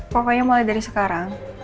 pokoknya mulai dari sekarang